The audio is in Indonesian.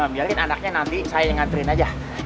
biarkan anaknya nanti saya yang nganturin aja